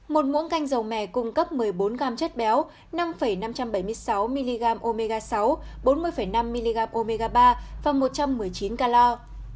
một muỗng canh dầu mè cung cấp một mươi bốn g chất béo năm năm trăm bảy mươi sáu mg omega sáu bốn mươi năm mg omega ba và một trăm một mươi chín calor